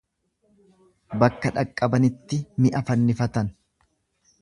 Bakka dhaqqabanitti mi'a fannifatan.